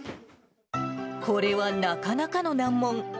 これはなかなかの難問。